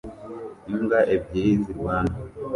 Imbwa ebyiri zirwana